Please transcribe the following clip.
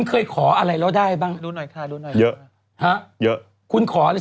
เอาให้ยักษ์